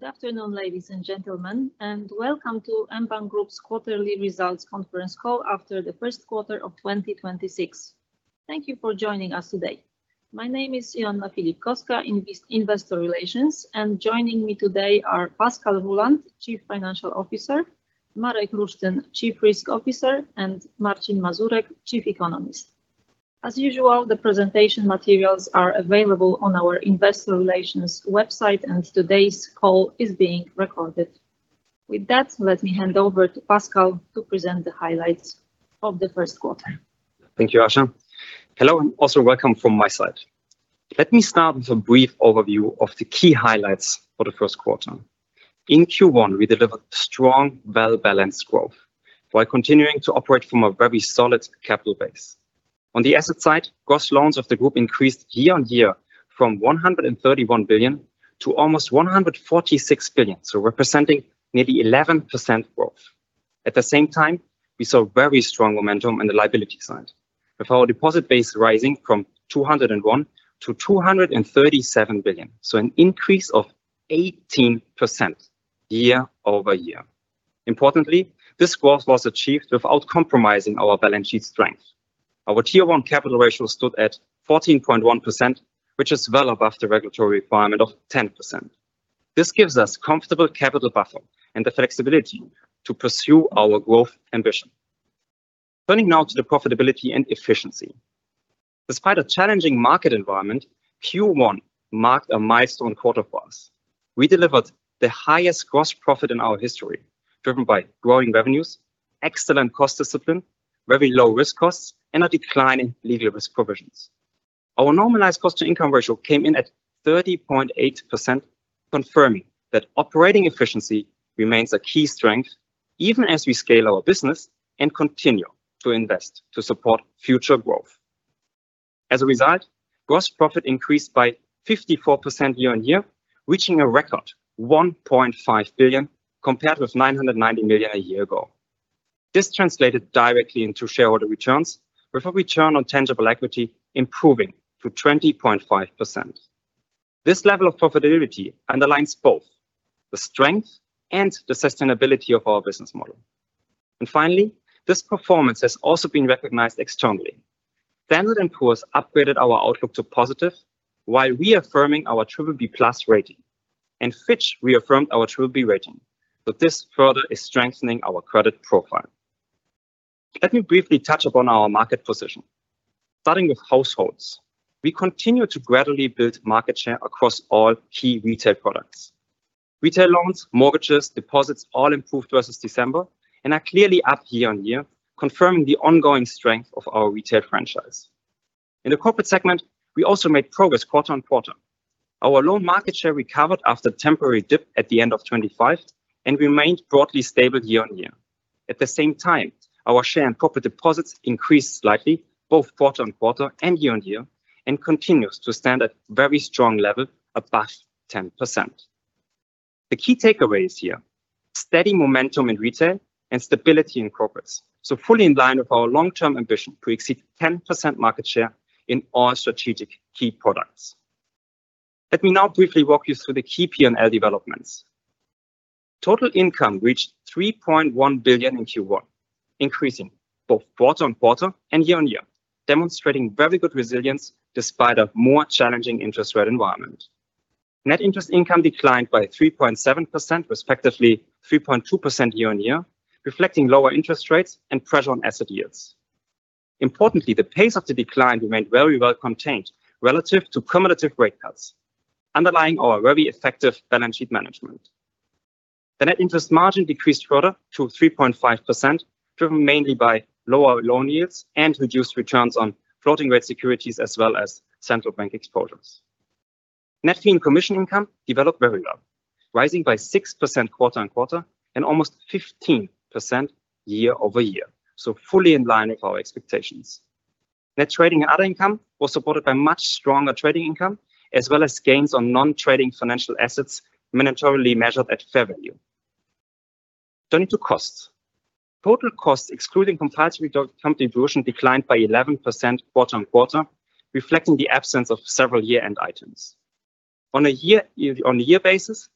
Good afternoon, ladies and gentlemen, and welcome to mBank Group's quarterly results conference call after the first quarter of 2026. Thank you for joining us today. My name is Joanna Filipkowska in this Investor Relations. Joining me today are Pascal Ruhland, Chief Financial Officer, Marek Lusztyn, Chief Risk Officer, and Marcin Mazurek, Chief Economist. As usual, the presentation materials are available on our investor relations website, and today's call is being recorded. With that, let me hand over to Pascal to present the highlights of the first quarter. Thank you, Filipkowska. Hello, also welcome from my side. Let me start with a brief overview of the key highlights for the first quarter. In Q1, we delivered strong, well-balanced growth by continuing to operate from a very solid capital base. On the asset side, gross loans of the group increased year-over-year from 131 billion to almost 146 billion, representing nearly 11% growth. At the same time, we saw very strong momentum on the liability side. With our deposit base rising from 201 billion to 237 billion, an increase of 18% year-over-year. Importantly, this growth was achieved without compromising our balance sheet strength. Our Tier 1 capital ratio stood at 14.1%, which is well above the regulatory requirement of 10%. This gives us comfortable capital buffer and the flexibility to pursue our growth ambition. Turning now to the profitability and efficiency. Despite a challenging market environment, Q1 marked a milestone quarter for us. We delivered the highest gross profit in our history, driven by growing revenues, excellent cost discipline, very low risk costs, and a decline in legal risk provisions. Our normalized Cost-to-income ratio came in at 30.8%, confirming that operating efficiency remains a key strength even as we scale our business and continue to invest to support future growth. As a result, gross profit increased by 54% year-on-year, reaching a record 1.5 billion, compared with 990 million a year ago. This translated directly into shareholder returns, with a return on tangible equity improving to 20.5%. This level of profitability underlines both the strength and the sustainability of our business model. Finally, this performance has also been recognized externally. Standard & Poor's upgraded our outlook to positive while reaffirming our BBB+ rating, and Fitch reaffirmed our BBB rating. This further is strengthening our credit profile. Let me briefly touch upon our market position. Starting with households, we continue to gradually build market share across all key retail products. Retail loans, mortgages, deposits all improved versus December and are clearly up year-over-year, confirming the ongoing strength of our retail franchise. In the corporate segment, we also made progress quarter-over-quarter. Our loan market share recovered after a temporary dip at the end of 2025 and remained broadly stable year-over-year. At the same time, our share in corporate deposits increased slightly, both quarter-on-quarter and year-on-year, and continues to stand at very strong level above 10%. The key takeaways here, steady momentum in retail and stability in corporates. Fully in line with our long-term ambition to exceed 10% market share in all strategic key products. Let me now briefly walk you through the key P&L developments. Total income reached 3.1 billion in Q1, increasing both quarter-on-quarter and year-on-year, demonstrating very good resilience despite a more challenging interest rate environment. Net interest income declined by 3.7%, respectively 3.2% year-on-year, reflecting lower interest rates and pressure on asset yields. Importantly, the pace of the decline remained very well contained relative to cumulative rate cuts, underlying our very effective balance sheet management. The Net interest margin decreased further to 3.5%, driven mainly by lower loan yields and reduced returns on floating rate securities as well as central bank exposures. Net fee and commission income developed very well, rising by 6% quarter-on-quarter and almost 15% year-over-year, fully in line with our expectations. Net trading and other income was supported by much stronger trading income as well as gains on non-trading financial assets monetarily measured at fair value. Turning to costs. Total costs, excluding compulsory contribution to the Bank Guarantee Fund, declined by 11% quarter-on-quarter, reflecting the absence of several year-end items. On a year basis,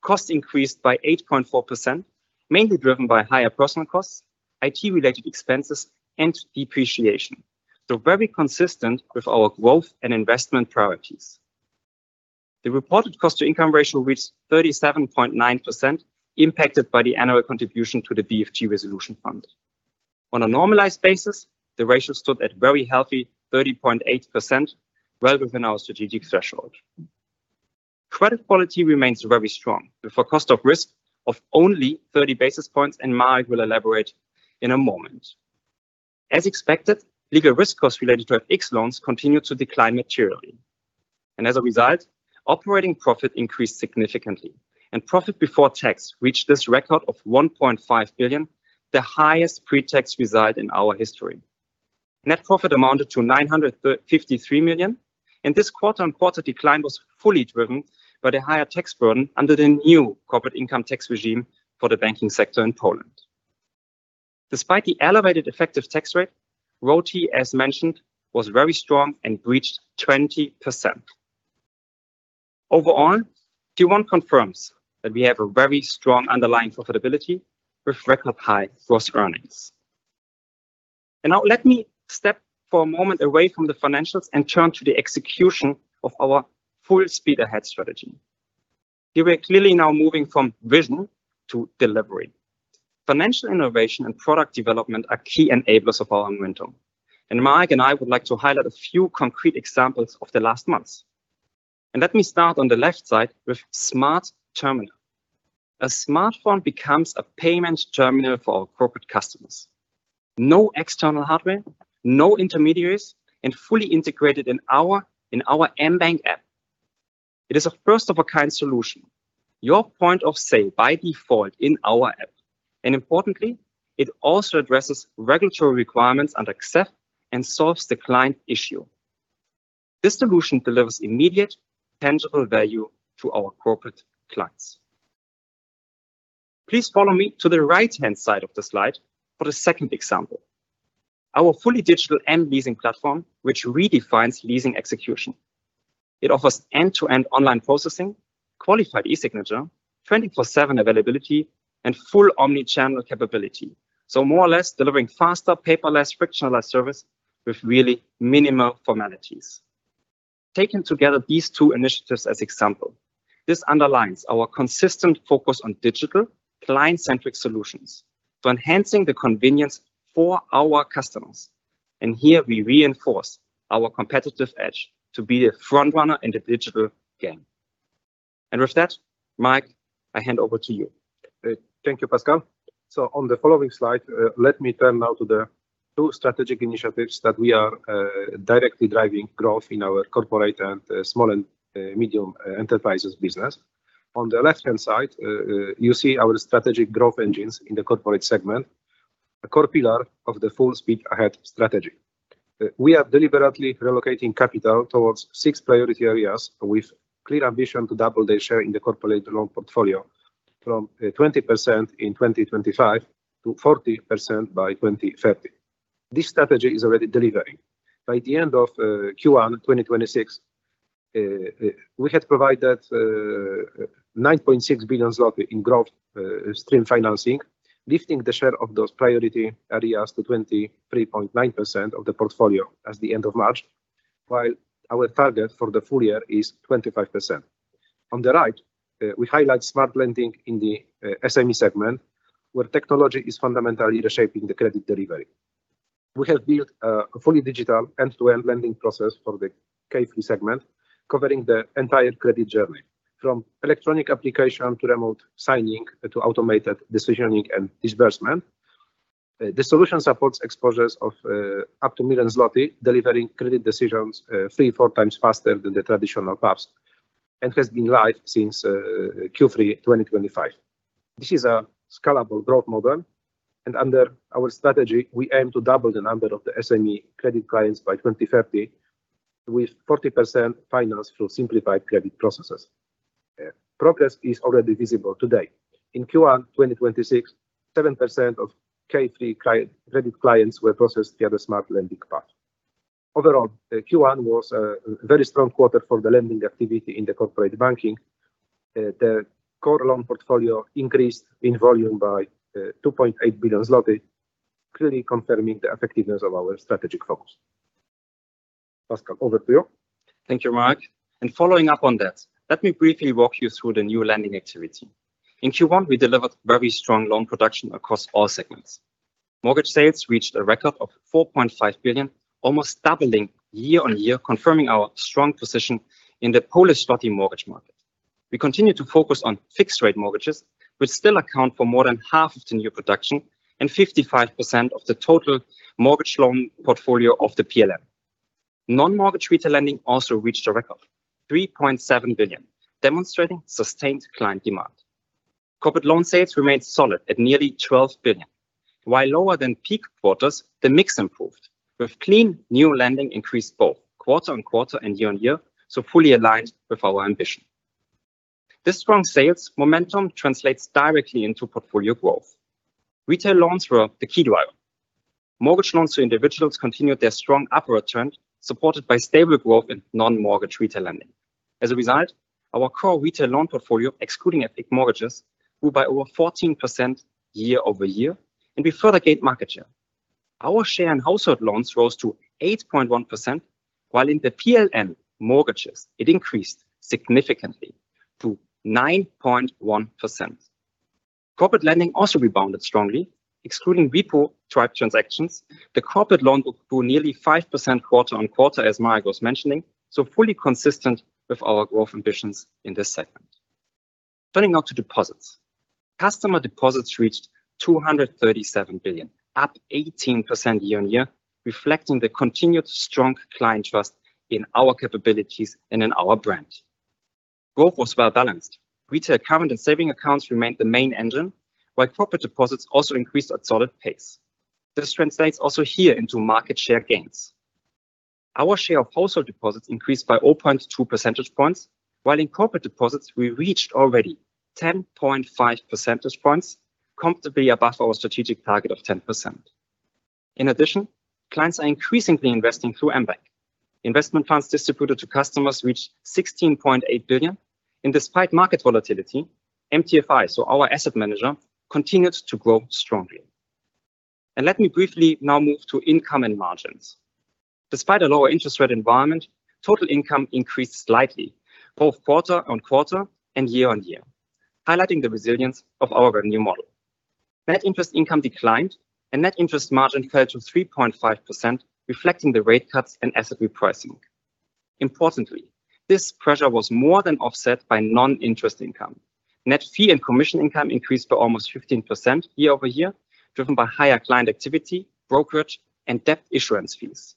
costs increased by 8.4%, mainly driven by higher personal costs, IT-related expenses and depreciation, very consistent with our growth and investment priorities. The reported Cost-to-Income ratio reached 37.9%, impacted by the annual contribution to the BFG Resolution Fund. On a normalized basis, the ratio stood at very healthy 30.8%, well within our strategic threshold. Credit quality remains very strong, with a cost of risk of only 30 basis points, and Marek Lusztyn will elaborate in a moment. As expected, legal risk costs related to FX loans continued to decline materially. As a result, operating profit increased significantly, and profit before tax reached this record of 1.5 billion, the highest pre-tax result in our history. Net profit amounted to 953 million, and this quarter-on-quarter decline was fully driven by the higher tax burden under the new corporate income tax regime for the banking sector in Poland. Despite the elevated effective tax rate, ROTE, as mentioned, was very strong and breached 20%. Overall, Q1 confirms that we have a very strong underlying profitability with record high risk earnings. Now let me step for a moment away from the financials and turn to the execution of our Full speed ahead! strategy. Here we are clearly now moving from vision to delivery. Financial innovation and product development are key enablers of our momentum. Marek and I would like to highlight a few concrete examples of the last months. Let me start on the left side with SmartTerminal. A smartphone becomes a payment terminal for our corporate customers. No external hardware, no intermediaries, fully integrated in our mBank app. It is a first-of-a-kind solution. Your point of sale by default in our app. Importantly, it also addresses regulatory requirements under CE and solves the client issue. This solution delivers immediate tangible value to our corporate clients. Please follow me to the right-hand side of the slide for the second example. Our fully digital mLeasing platform, which redefines leasing execution. It offers end-to-end online processing, qualified e-signature, 24/7 availability, and full omnichannel capability. More or less delivering faster, paperless, frictionless service with really minimal formalities. Taken together these two initiatives as example, this underlines our consistent focus on digital client-centric solutions to enhancing the convenience for our customers. Here we reinforce our competitive edge to be the front runner in the digital game. With that, Marek, I hand over to you. Thank you, Pascal. On the following slide, let me turn now to the two strategic initiatives that we are directly driving growth in our corporate and small and medium enterprises business. On the left-hand side, you see our strategic growth engines in the corporate segment, a core pillar of the Full speed ahead! strategy. We are deliberately relocating capital towards six priority areas with clear ambition to double their share in the corporate loan portfolio, from 20% in 2025 to 40% by 2030. This strategy is already delivering. By the end of Q1 2026, we had provided 9.6 billion zloty in growth stream financing, lifting the share of those priority areas to 23.9% of the portfolio as the end of March, while our target for the full year is 25%. On the right, we highlight smart lending in the SME segment, where technology is fundamentally reshaping the credit delivery. We have built a fully digital end-to-end lending process for the K3 segment, covering the entire credit journey, from electronic application to remote signing, to automated decisioning and disbursement. The solution supports exposures of up to 1 million zloty, delivering credit decisions three, four times faster than the traditional paths, and has been live since Q3 2025. This is a scalable growth model. Under our strategy, we aim to double the number of the SME credit clients by 2030, with 40% financed through simplified credit processes. Progress is already visible today. In Q1 2026, 7% of K3 credit clients were processed via the smart lending path. Overall, Q1 was a very strong quarter for the lending activity in the corporate banking. The core loan portfolio increased in volume by 2.8 billion zloty, clearly confirming the effectiveness of our strategic focus. Pascal, over to you. Thank you, Marek. Following up on that, let me briefly walk you through the new lending activity. In Q1 we delivered very strong loan production across all segments. Mortgage sales reached a record of 4.5 billion, almost doubling year-on-year, confirming our strong position in the Polish zloty mortgage market. We continue to focus on fixed rate mortgages, which still account for more than half of the new production and 55% of the total mortgage loan portfolio of the PLN. Non-mortgage retail lending also reached a record of 3.7 billion, demonstrating sustained client demand. Corporate loan sales remained solid at nearly 12 billion. While lower than peak quarters, the mix improved with clean new lending increased both quarter-on-quarter and year-on-year, so fully aligned with our ambition. This strong sales momentum translates directly into portfolio growth. Retail loans were the key driver. Mortgage loans to individuals continued their strong upward trend, supported by stable growth in non-mortgage retail lending. As a result, our core retail loan portfolio, excluding FX mortgages, grew by over 14% year-over-year, and we further gained market share. Our share in household loans rose to 8.1%, while in the PLN mortgages it increased significantly to 9.1%. Corporate lending also rebounded strongly, excluding repo type transactions. The corporate loan book grew nearly 5% quarter-on-quarter, as Marek was mentioning, fully consistent with our growth ambitions in this segment. Turning now to deposits. Customer deposits reached 237 billion, up 18% year-on-year, reflecting the continued strong client trust in our capabilities and in our brand. Growth was well-balanced. Retail current and saving accounts remained the main engine, while corporate deposits also increased at solid pace. This translates also here into market share gains. Our share of household deposits increased by 0.2 percentage points, while in corporate deposits we reached already 10.5 percentage points, comfortably above our strategic target of 10%. In addition, clients are increasingly investing through mBank. Investment funds distributed to customers reached 16.8 billion. Despite market volatility, mTFI, so our asset manager, continues to grow strongly. Let me briefly now move to income and margins. Despite a lower interest rate environment, total income increased slightly, both quarter-on-quarter and year-on-year, highlighting the resilience of our revenue model. Net interest income declined and net interest margin fell to 3.5%, reflecting the rate cuts and asset repricing. Importantly, this pressure was more than offset by non-interest income. Net fee and commission income increased by almost 15% year-over-year, driven by higher client activity, brokerage, and debt issuance fees.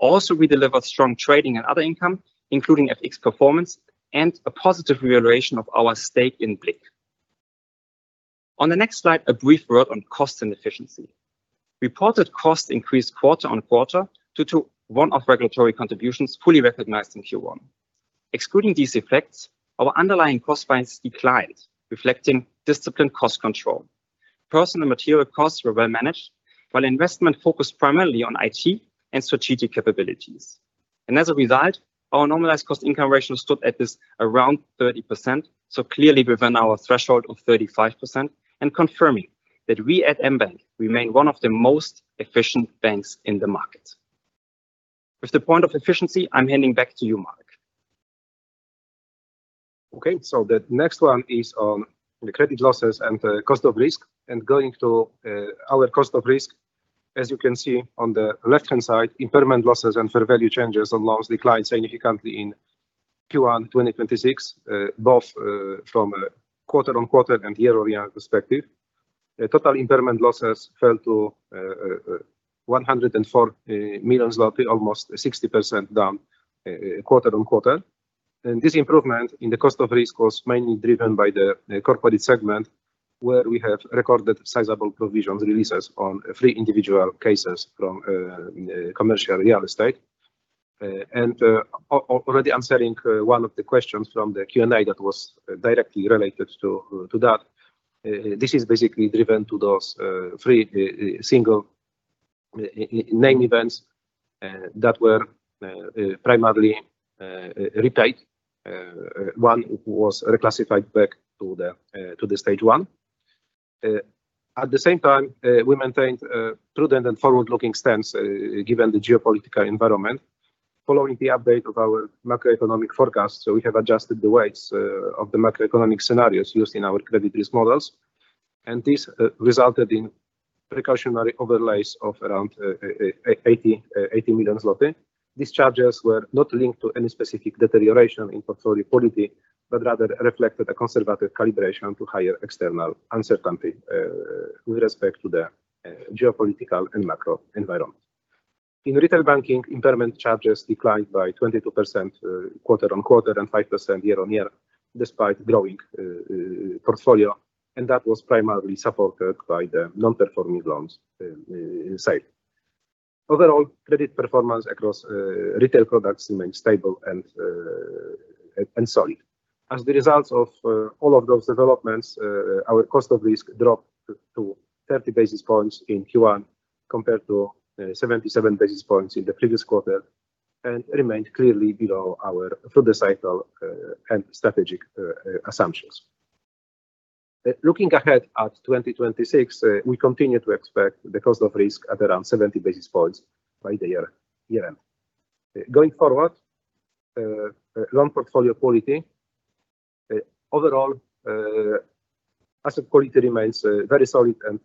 We delivered strong trading and other income, including FX performance and a positive reevaluation of our stake in BLIK. On the next slide, a brief word on cost and efficiency. Reported costs increased quarter-on-quarter due to one-off regulatory contributions fully recognized in Q1. Excluding these effects, our underlying cost base declined, reflecting disciplined cost control. Personal material costs were well managed, while investment focused primarily on IT and strategic capabilities. As a result, our normalized Cost-income ratio stood at this around 30%, clearly within our threshold of 35%, confirming that we at mBank remain one of the most efficient banks in the market. With the point of efficiency, I'm handing back to you, Marek. The next one is on the credit losses and the cost of risk. Going to our cost of risk, as you can see on the left-hand side, impairment losses and fair value changes on loans declined significantly in Q1 2026, both from a quarter-on-quarter and year-over-year perspective. The total impairment losses fell to 104 million zloty, almost 60% down quarter-on-quarter. This improvement in the cost of risk was mainly driven by the corporate segment, where we have recorded sizable provisions releases on three individual cases from commercial real estate. Already answering one of the questions from the Q&A that was directly related to that, this is basically driven to those three single name events that were primarily related. One was reclassified back to the Stage 1. At the same time, we maintained a prudent and forward-looking stance given the geopolitical environment following the update of our macroeconomic forecast. We have adjusted the weights of the macroeconomic scenarios used in our credit risk models. This resulted in precautionary overlays of around 80 million zloty. These charges were not linked to any specific deterioration in portfolio quality, but rather reflected a conservative calibration to higher external uncertainty with respect to the geopolitical and macro environment. In retail banking, impairment charges declined by 22% quarter-over-quarter and 5% year-over-year despite growing portfolio, and that was primarily supported by the non-performing loans sale. Overall, credit performance across retail products remained stable and solid. As the results of all of those developments, our cost of risk dropped to 30 basis points in Q1 compared to 77 basis points in the previous quarter, and remained clearly below our full cycle and strategic assumptions. Looking ahead at 2026, we continue to expect the cost of risk at around 70 basis points by the year end. Going forward, loan portfolio quality, overall asset quality remains very solid and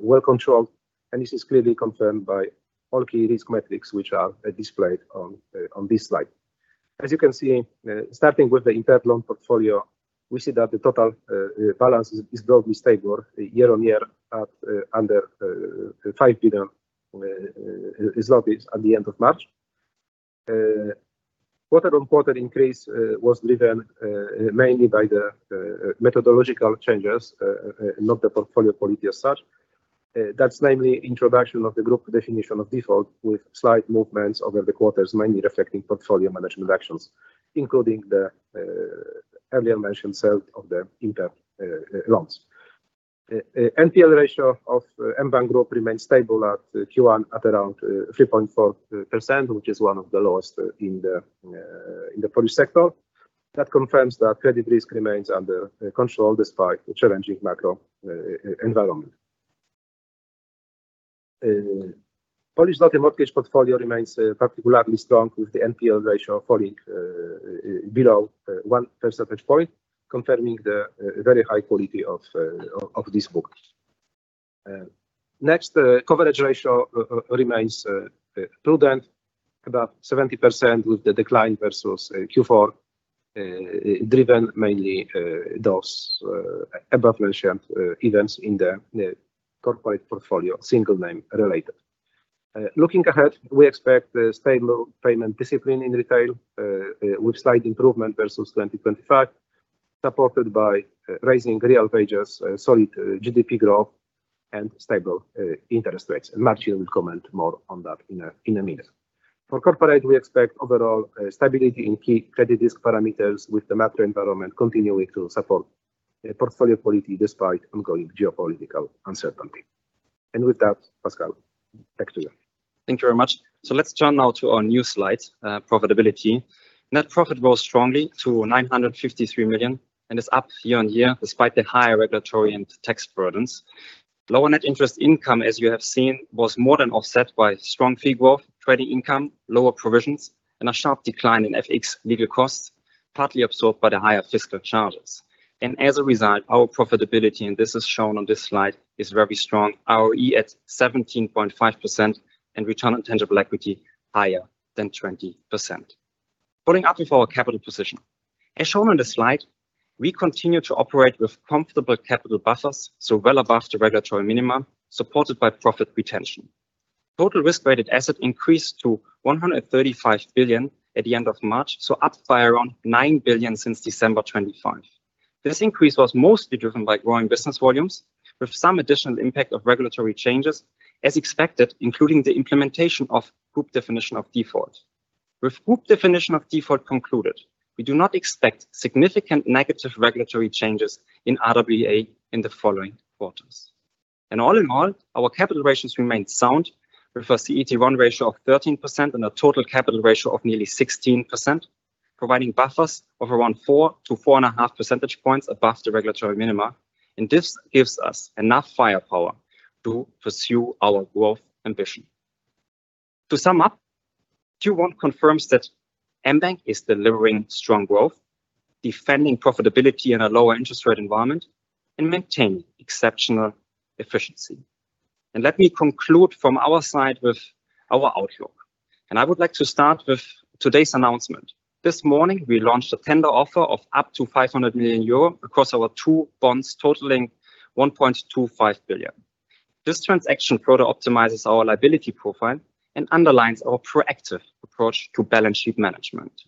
well controlled, and this is clearly confirmed by all key risk metrics which are displayed on this slide. As you can see, starting with the entire loan portfolio, we see that the total balance is largely stable year on year at under 5 billion at the end of March. Quarter-on-quarter increase was driven mainly by the methodological changes, not the portfolio quality as such. That's namely introduction of the Group definition of default with slight movements over the quarters, mainly reflecting portfolio management actions, including the earlier mentioned sale of the loans. NPL ratio of mBank Group remains stable at Q1 at around 3.4%, which is one of the lowest in the Polish sector. That confirms that credit risk remains under control despite the challenging macro environment. Polish zloty mortgage portfolio remains particularly strong, with the NPL ratio falling below 1 percentage point, confirming the very high quality of this book. Next, coverage ratio remains prudent, about 70%, with the decline versus Q4 driven mainly those above-mentioned events in the corporate portfolio, single name related. Looking ahead, we expect a stable payment discipline in retail, with slight improvement versus 2025. Supported by rising real wages, solid GDP growth, and stable interest rates. Marcin will comment more on that in a minute. For corporate, we expect overall stability in key credit risk parameters with the macro environment continuing to support portfolio quality, despite ongoing geopolitical uncertainty. With that, Pascal, back to you. Thank you very much. Let's turn now to our new slide, profitability. Net Profit grows strongly to 953 million and is up year on year despite the higher regulatory and tax burdens. Lower Net interest income, as you have seen, was more than offset by strong fee growth, trading income, lower provisions, and a sharp decline in FX legal costs, partly absorbed by the higher fiscal charges. As a result, our profitability, and this is shown on this slide, is very strong. ROE at 17.5% and return on tangible equity higher than 20%. Building up with our capital position. As shown on the slide, we continue to operate with comfortable capital buffers, so well above the regulatory minimum, supported by profit retention. Total risk-weighted asset increased to 135 billion at the end of March, so up by around 9 billion since December 2025. This increase was mostly driven by growing business volumes with some additional impact of regulatory changes as expected, including the implementation of group definition of default. With group definition of default concluded, we do not expect significant negative regulatory changes in RWA in the following quarters. All in all, our capital ratios remain sound with a CET1 ratio of 13% and a total capital ratio of nearly 16%, providing buffers of around 4 to 4.5 percentage points above the regulatory minimum. This gives us enough firepower to pursue our growth ambition. To sum up, Q1 confirms that mBank is delivering strong growth, defending profitability in a lower interest rate environment, and maintaining exceptional efficiency. Let me conclude from our side with our outlook. I would like to start with today's announcement. This morning we launched a tender offer of up to 500 million euro across our two bonds totaling 1.25 billion. This transaction further optimizes our liability profile and underlines our proactive approach to balance sheet management.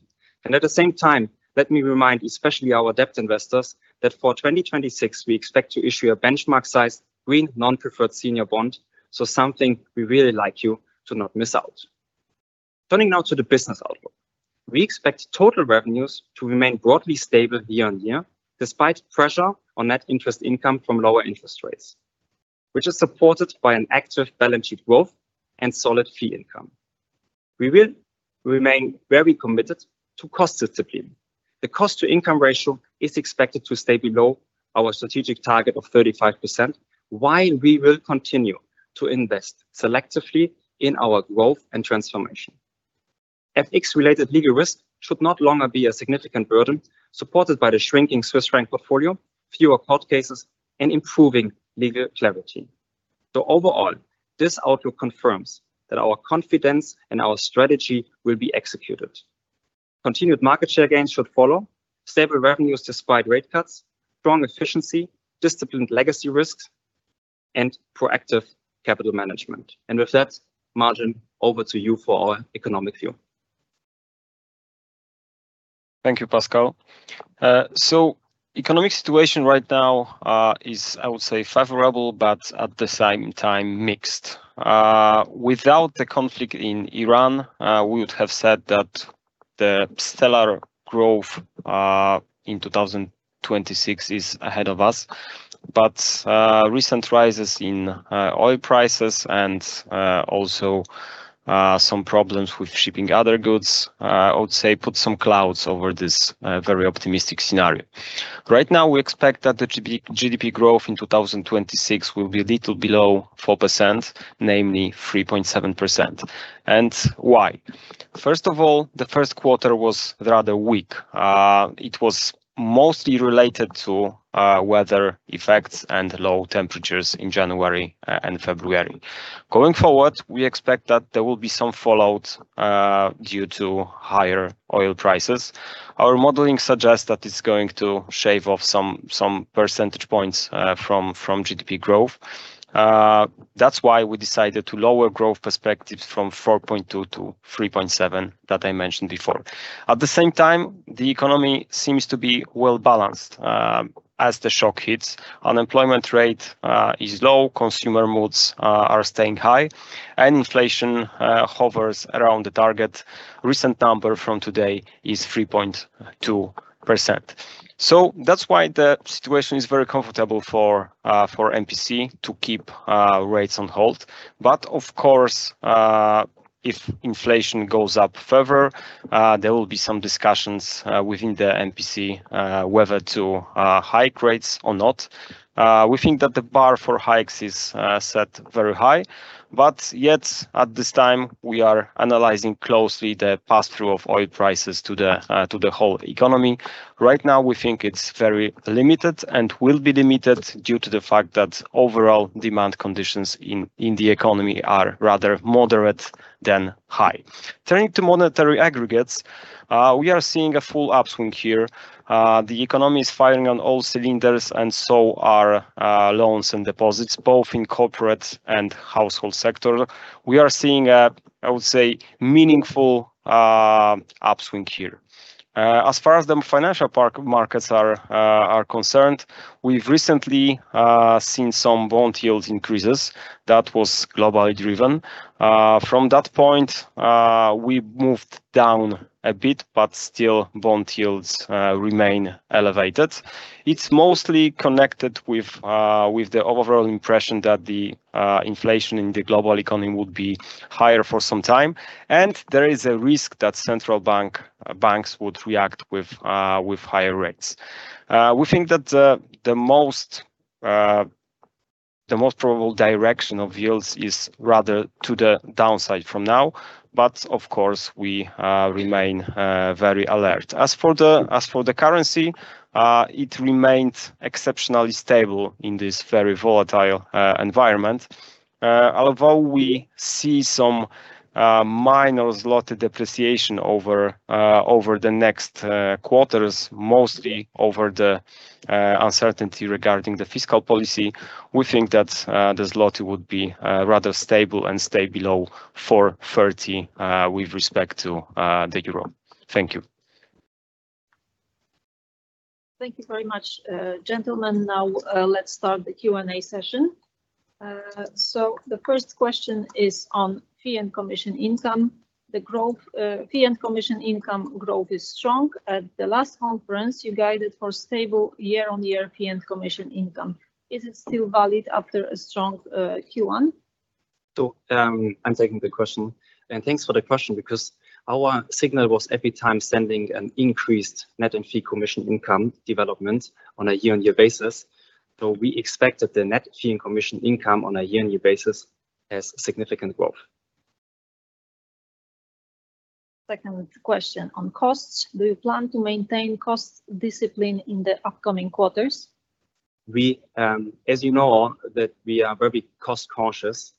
At the same time, let me remind, especially our debt investors, that for 2026 we expect to issue a benchmark sized Green non-preferred senior bond, so something we really like you to not miss out. Turning now to the business outlook. We expect total revenues to remain broadly stable year-on-year, despite pressure on Net interest income from lower interest rates, which is supported by an active balance sheet growth and solid fee income. We will remain very committed to cost discipline. The cost-to-income ratio is expected to stay below our strategic target of 35%, while we will continue to invest selectively in our growth and transformation. FX-related legal risk should no longer be a significant burden, supported by the shrinking Swiss franc portfolio, fewer court cases, and improving legal clarity. Overall, this outlook confirms that our confidence and our strategy will be executed. Continued market share gains should follow, stable revenues despite rate cuts, strong efficiency, disciplined legacy risks, and proactive capital management. With that, Marcin, over to you for our economic view. Thank you, Pascal. So economic situation right now is, I would say, favorable, but at the same time mixed. Without the conflict in Iran, we would have said that the stellar growth in 2026 is ahead of us. Recent rises in oil prices and also some problems with shipping other goods, I would say put some clouds over this very optimistic scenario. Right now, we expect that the GDP growth in 2026 will be a little below 4%, namely 3.7%. Why? First of all, the first quarter was rather weak. It was mostly related to weather effects and low temperatures in January and February. Going forward, we expect that there will be some fallout due to higher oil prices. Our modeling suggests that it's going to shave off some percentage points from GDP growth. That's why we decided to lower growth perspectives from 4.2% to 3.7% that I mentioned before. At the same time, the economy seems to be well-balanced as the shock hits. Unemployment rate is low, consumer moods are staying high, and inflation hovers around the target. Recent number from today is 3.2%. That's why the situation is very comfortable for MPC to keep rates on hold. Of course, if inflation goes up further, there will be some discussions within the MPC whether to hike rates or not. We think that the bar for hikes is set very high. At this time we are analyzing closely the pass-through of oil prices to the whole economy. Right now we think it's very limited and will be limited due to the fact that overall demand conditions in the economy are rather moderate than high. Turning to monetary aggregates, we are seeing a full upswing here. The economy is firing on all cylinders and so are loans and deposits both in corporate and household sector. We are seeing a, I would say, meaningful upswing here. As far as the financial markets are concerned, we've recently seen some bond yields increases that was globally driven. From that point, we moved down a bit, but still bond yields remain elevated. It's mostly connected with the overall impression that the inflation in the global economy would be higher for some time. There is a risk that central banks would react with higher rates. We think that the most probable direction of yields is rather to the downside from now, but of course, we remain very alert. As for the currency, it remains exceptionally stable in this very volatile environment. Although we see some minor zloty depreciation over the next quarters, mostly over the uncertainty regarding the fiscal policy, we think that the zloty would be rather stable and stay below 4.30 with respect to the euro. Thank you. Thank you very much, gentlemen. Now, let's start the Q&A session. The first question is on fee and commission income. The growth, fee and commission income growth is strong. At the last conference, you guided for stable year-on-year fee and commission income. Is it still valid after a strong Q1? I'm taking the question, thanks for the question because our signal was every time sending an increased Net fee and commission income development on a year-on-year basis. We expect that the Net fee and commission income on a year-on-year basis has significant growth. Second question on costs. Do you plan to maintain cost discipline in the upcoming quarters? We, as you know, that we are very cost-conscious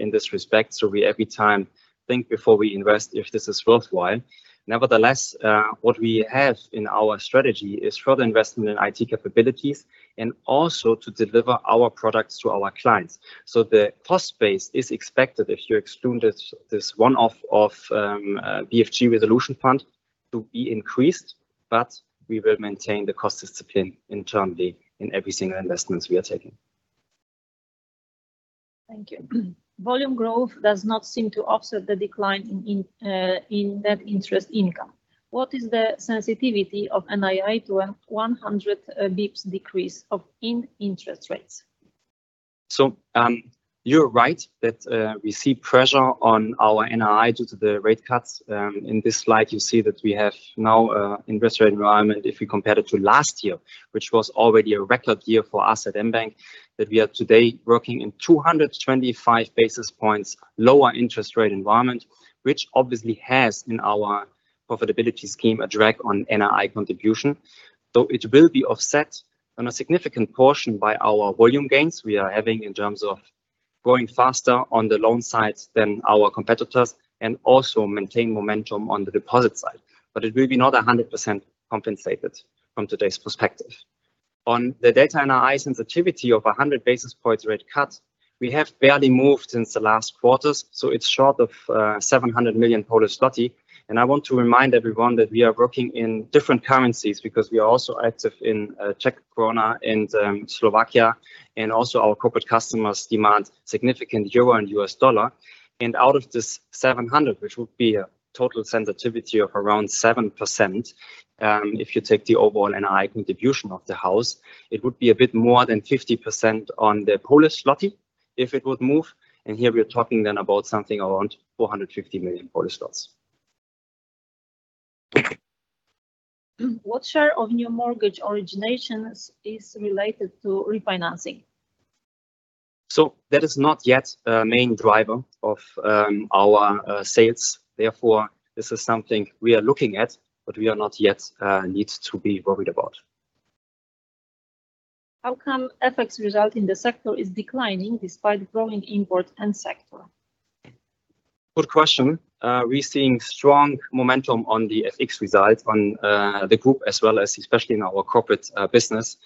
in this respect, so we every time think before we invest if this is worthwhile. Nevertheless, what we have in our strategy is further investment in IT capabilities and also to deliver our products to our clients. The cost base is expected if you exclude this one-off of BFG Resolution Fund to be increased, but we will maintain the cost discipline internally in every single investments we are taking. Thank you. Volume growth does not seem to offset the decline in net interest income. What is the sensitivity of NII to a 100 basis points decrease of interest rates? You're right that we see pressure on our NII due to the rate cuts. In this slide, you see that we have now an interest rate environment, if we compare it to last year, which was already a record year for us at mBank, that we are today working in 225 basis points lower interest rate environment, which obviously has, in our profitability scheme, a drag on NII contribution, though it will be offset on a significant portion by our volume gains we are having in terms of growing faster on the loan side than our competitors and also maintain momentum on the deposit side. It will be not 100% compensated from today's perspective. On the data NII sensitivity of 100 basis points rate cut, we have barely moved since the last quarters, so it's short of 700 million. I want to remind everyone that we are working in different currencies because we are also active in Czech koruna, in Slovakia, and also our corporate customers demand significant euro and US dollar. Out of this 700, which would be a total sensitivity of around 7%, if you take the overall NII contribution of the house, it would be a bit more than 50% on the Polish zloty if it would move. Here we are talking then about something around 450 million. What share of new mortgage originations is related to refinancing? That is not yet a main driver of, our sales. Therefore, this is something we are looking at, but we are not yet, need to be worried about. How come FX result in the sector is declining despite growing import and sector? Good question. We're seeing strong momentum on the FX results on the group as well as especially in our corporate business.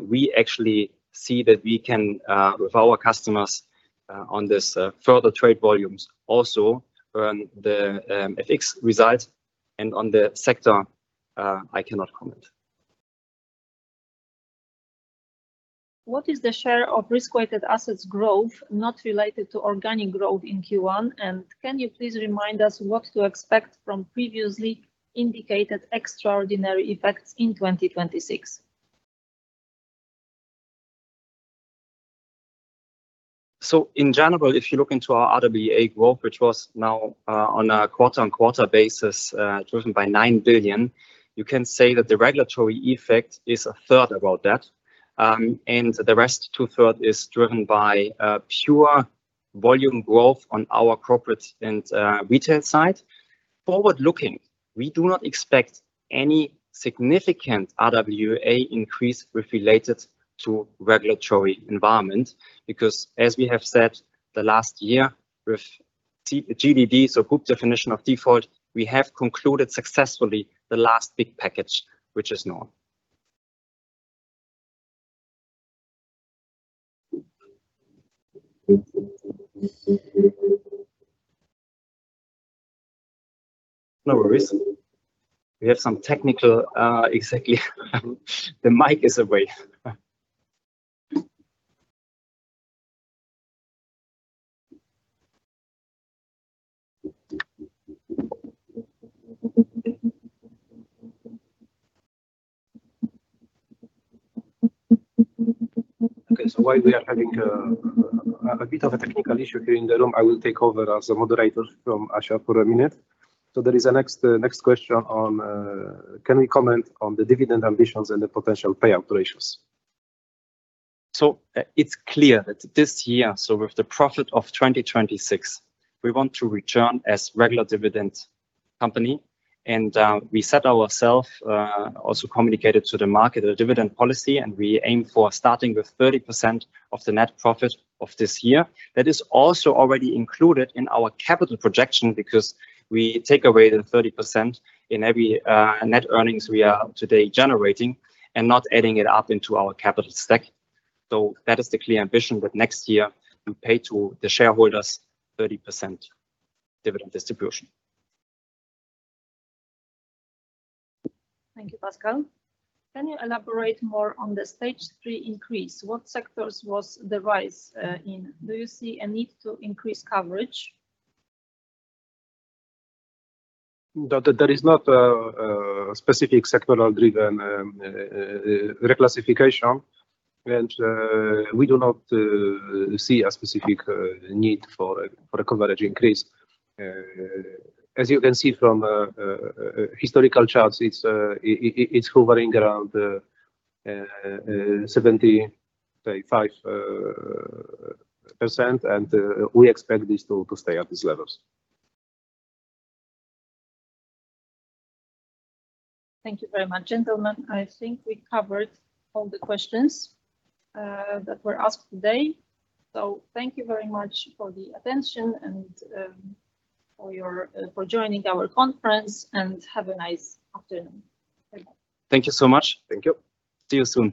We actually see that we can with our customers on this further trade volumes also earn the FX results. On the sector, I cannot comment. What is the share of risk-weighted assets growth not related to organic growth in Q1? Can you please remind us what to expect from previously indicated extraordinary effects in 2026? In general, if you look into our RWA growth, which was now, on a quarter-on-quarter basis, driven by 9 billion, you can say that the regulatory effect is a third about that. The rest, two third, is driven by pure volume growth on our corporate and retail side. Forward looking, we do not expect any significant RWA increase with related to regulatory environment because as we have said the last year with GDD, so group Definition of Default, we have concluded successfully the last big package, which is known. No worries. We have some technical. Exactly. The mic is away. While we are having a bit of a technical issue here in the room, I will take over as a moderator from Asia for a minute. There is a next question on, can we comment on the dividend ambitions and the potential payout ratios? It's clear that this year, so with the profit of 2026, we want to return as regular dividend company. We set ourself also communicated to the market a dividend policy, and we aim for starting with 30% of the net profit of this year. That is also already included in our capital projection because we take away the 30% in every net earnings we are today generating, and not adding it up into our capital stack. That is the clear ambition that next year we pay to the shareholders 30% dividend distribution. Thank you, Pascal. Can you elaborate more on the Stage 3 increase? What sectors was the rise in? Do you see a need to increase coverage? That there is not a specific sectoral-driven reclassification, and we do not see a specific need for a coverage increase. As you can see from historical charts, it's hovering around 75%, and we expect this to stay at these levels. Thank you very much, gentlemen. I think we covered all the questions, that were asked today. Thank you very much for the attention and, for your, for joining our conference, and have a nice afternoon. Bye-bye. Thank you so much. Thank you. See you soon.